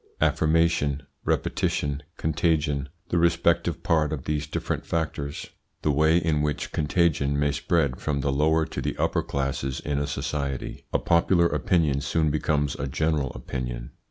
Affirmation, repetition, contagion The respective part of these different factors The way in which contagion may spread from the lower to the upper classes in a society A popular opinion soon becomes a general opinion.